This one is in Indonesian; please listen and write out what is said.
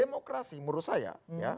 demokrasi menurut saya ya